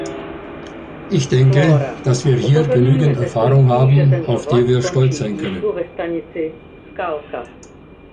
Ich denke, dass wir hier genügend Erfahrung haben, auf die wir stolz sein können.